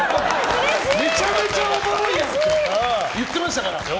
めちゃめちゃおもろいやんって言ってましたから。